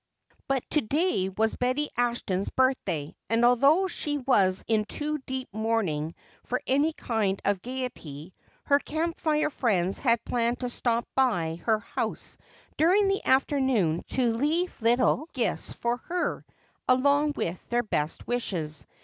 But to day was Betty Ashton's birthday and although she was in too deep mourning for any kind of gayety, her Camp Fire friends had planned to stop by her house during the afternoon to leave little gifts for her, along with their best wishes.